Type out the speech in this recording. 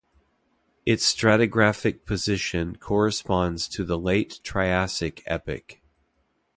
Its stratigraphic position corresponds to the late Triassic epoch.